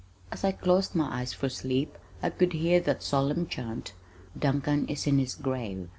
As I closed my eyes for sleep I could hear that solemn chant "_Duncan is in his grave.